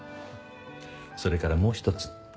それからもう一つ。